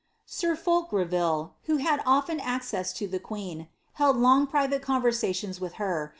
Sir Fulk Grevijle, who had often access to the queen, held long private conversations with her.